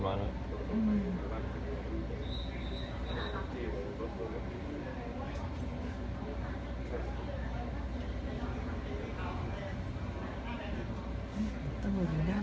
ตำรวจอยู่หน้าแม่งมันอยู่หน้าเขาต้น